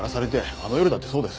あの夜だってそうです。